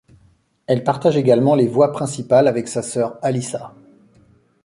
Elle partage également les voix principales avec sa sœur Alyssa.